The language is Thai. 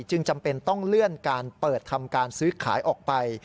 จำเป็นต้องเลื่อนการเปิดทำการซื้อขายออกไป